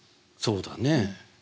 そうだねえ。